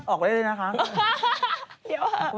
ออกไปเลยนะครับ